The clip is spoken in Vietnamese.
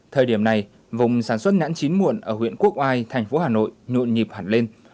thời điểm này vùng sản xuất nhãn chín muộn ở huyện quốc oai thành phố hà nội nhuộn nhịp hẳn lên